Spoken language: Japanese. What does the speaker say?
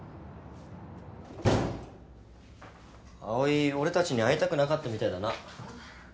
葵俺たちに会いたくなかったみたいだな。